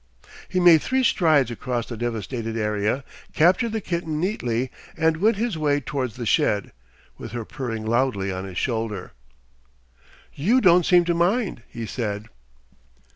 He made three strides across the devastated area, captured the kitten neatly, and went his way towards the shed, with her purring loudly on his shoulder. "YOU don't seem to mind," he said.